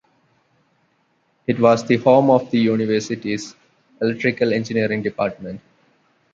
It was the home of the university's Electrical Engineering department.